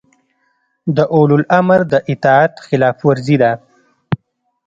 د اولوامر د اطاعت خلاف ورزي ده